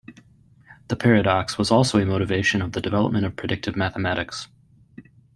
The paradox was also a motivation of the development of predicative mathematics.